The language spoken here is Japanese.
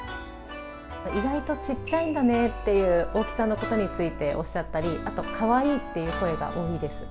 意外とちっちゃいんだねっていう、大きさのことについておっしゃったり、あとかわいいっていう声が多いです。